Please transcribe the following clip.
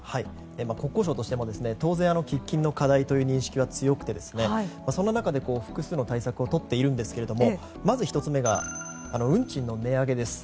国交省としても当然、喫緊の課題という認識は強くてそんな中で、複数の対策をとっているんですけどまず１つ目が運賃の値上げです。